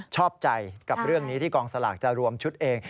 ชอบใจกับเรื่องนี้ที่กองสลากจะรวมชุดเอง